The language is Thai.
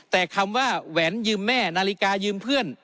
แต่คำว่าแหวนยืมแม่นาฬิกายืมเพื่อน